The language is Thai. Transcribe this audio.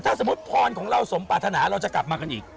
ถ้าสมมุติพรของเราสมปรารถนาเราจะกลับมากันอีก